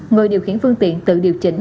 người điều khiển phương tiện tự điều chỉnh